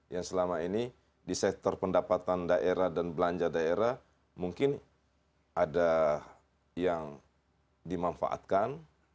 yang selama ini di sektor pendapatan daerah dan belanja daerah mungkin ada yang dimanfaatkan